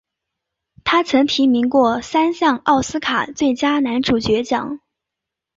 他曾提名过三项奥斯卡最佳男主角奖。